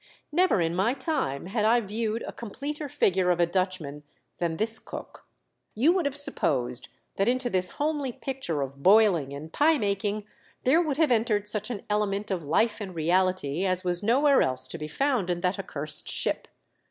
Never in my time had I viewed a completer figure of a Dutchman than this cook. You would have supposed that into this homely picture of boiling and pie making there would have entered such an element of 2 24 THE DEATH SHIP. life and reality as was nowhere else to be found in that accurst ship.